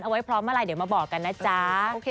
ไว้พร้อมเมื่อไหร่เดี๋ยวมาบอกกันนะจ๊ะ